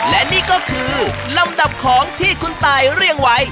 และนี่ก็คือลำดับของที่คุณตายเรียงไว้